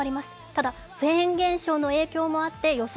ただ、フェーン現象の影響もあって予想